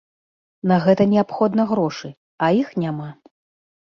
На гэта неабходна грошы, а іх няма.